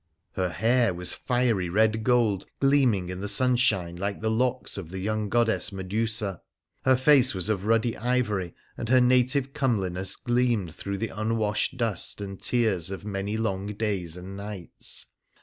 Her hair was fiery red gold, gleaming in the sunshine like the locks of the young goddess Medusa. Her face was of ruddy ivory, and her native comeliness gleamed through the unwashed dust and tears of many long days and nights.